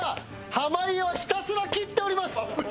濱家はひたすら切っております。